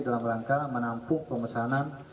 dalam rangka menampung pemesanan